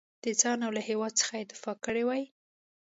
د ځان او له هیواد څخه دفاع کړې وای.